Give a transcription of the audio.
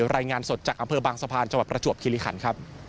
รายงานสดจากอำเภอบางสะพานจังหวัดประจวบคิริขันครับ